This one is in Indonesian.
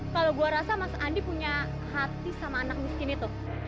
kalau gue rasa mas andi punya hati sama anak miskin itu